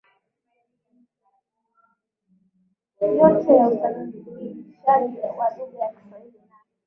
yote ya usanifishaji wa lugha ya Kiswahili na